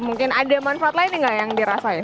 mungkin ada manfaat lain nggak yang dirasain